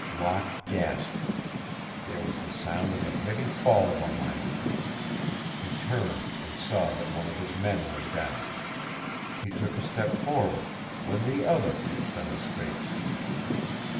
Locke gasped. There was the sound of a heavy fall behind him. He turned and saw that one of his men was down. He took a step forward, when the other pitched on his face.